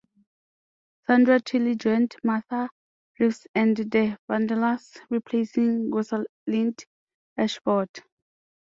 Sandra Tilley joined Martha Reeves and the Vandellas, replacing Rosalind Ashford.